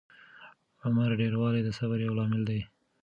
عمر ډېروالی د صبر یو لامل دی.